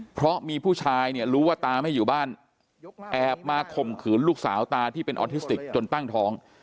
เพราะมีผู้ชายเนี่ยรู้ว่าตาไม่อยู่บ้านแอบมาข่มขืนลูกสาวตาที่เป็นออทิสติกจนตั้งท้อง